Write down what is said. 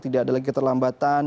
tidak ada lagi keterlambatan